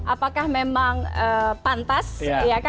apakah memang pantas ya kan